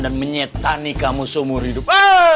dan menyetani kamu seumur hidup